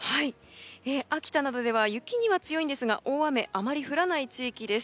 秋田などでは雪には強いんですが大雨があまり降らない地域です。